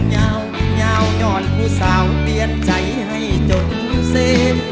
ยาวยาวย้อนผู้สาวเตือนใจให้จนเสร็จ